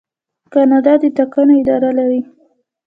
کاناډا د ټاکنو اداره لري.